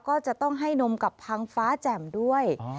ก็จะต้องให้นมกับพังฟ้าแจ่มด้วย